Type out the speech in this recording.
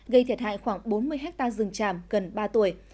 gây thiệt hại khoảng bốn mươi hectare rừng tràm gần ba tuổi